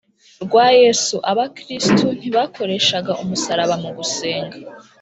rwa Yesu Abakristo ntibakoreshaga umusaraba mu gusenga